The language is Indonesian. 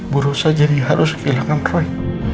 buruk saja jadi harus kehilangan roy